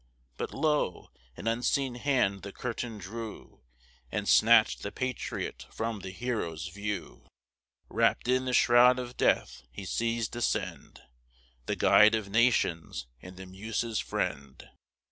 But lo! an unseen hand the curtain drew, And snatch'd the patriot from the hero's view; Wrapp'd in the shroud of death, he sees descend The guide of nations and the muses' friend.